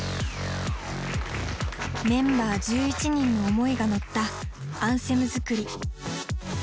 メンバー１１人の思いが乗ったアンセム作り。